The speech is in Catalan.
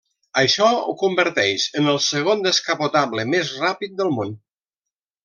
Això ho converteix en el segon descapotable més ràpid del món.